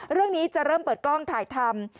เรื่องนี้จะเริ่มเปิดกล้องถ่ายทำ